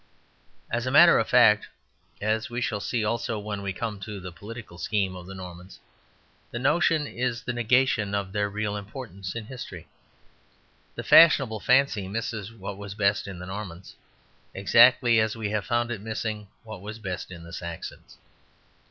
As a matter of fact, as we shall see also when we come to the political scheme of the Normans, the notion is the negation of their real importance in history. The fashionable fancy misses what was best in the Normans, exactly as we have found it missing what was best in the Saxons.